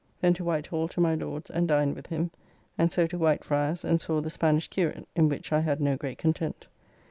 Then to Whitehall to my Lord's, and dined with him, and so to Whitefriars and saw "The Spanish Curate," in which I had no great content.